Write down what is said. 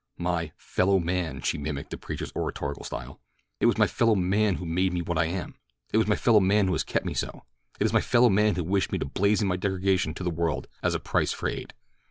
"My 'fellow man'!" She mimicked the preacher's oratorical style. "It was my fellow man who made me what I am; it was my fellow man who has kept me so! it is my fellow man who wished me to blazon my degradation to the world as a price for aid."